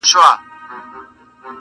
راځه او ګمراهانو ته بې لوري قبله ګاه شه